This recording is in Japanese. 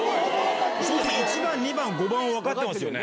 １番２番５番分かってますよね。